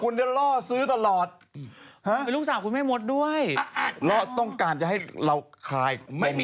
กระเทยเก่งกว่าเออแสดงความเป็นเจ้าข้าว